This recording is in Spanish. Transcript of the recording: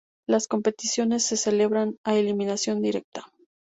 Las competiciones se celebran a eliminación directa.